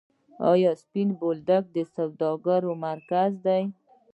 آیا سپین بولدک د سوداګرۍ مرکز دی؟